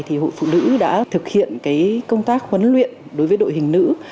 thì hội phụ nữ đã thực hiện công tác huấn luyện đối với đội hình nữ